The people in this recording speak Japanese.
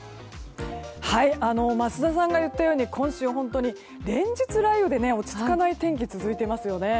桝田さんが言ったように今週は連日雷雨で落ち着かない天気が続いていますよね。